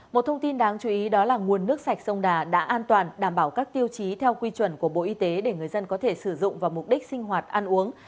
một thông tin đáng chú ý đó là nguồn nước sạch sông đà đã an toàn đảm bảo các tiêu chí theo quy chuẩn của bộ y tế để người dân có thể sử dụng vào mục đích sinh hoạt ăn uống